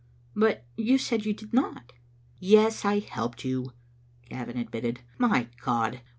" But you said you did not." "Yes, I helped you," Gavin admitted. "My God!